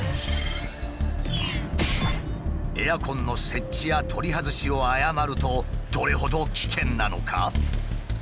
エアコンの設置や取り外しを誤るとどれほど危険なのか？